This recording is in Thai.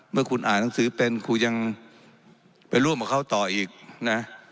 เมื่อคุณอ่านหนังสือเป็นคุณยังไปร่วมกับเขาต่ออีกนะ